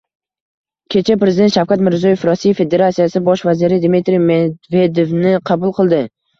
Kecha Prezident Shavkat Mirziyoyev Rossiya Federatsiyasi Bosh vaziri Dmitriy Medvedevni qabul qildi